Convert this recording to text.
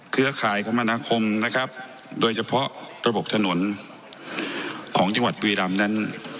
เครือข่ายคมนาคมนะครับโดยเฉพาะระบบถนนของจังหวัดบุรีรำนั้น